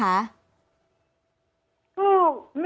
ยายก็ยังแอบไปขายขนมแล้วก็ไปถามเพื่อนบ้านว่าเห็นไหมอะไรยังไง